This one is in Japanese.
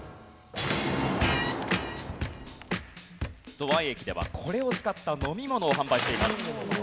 土合駅ではこれを使った飲み物を販売しています。